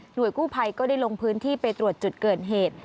โดยกู้ภัยก็ได้ลงพื้นที่ไปตรวจจุดเกิดเหตุ